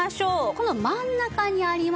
この真ん中にあります